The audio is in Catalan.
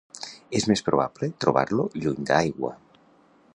És més probable trobar-lo lluny d'aigua.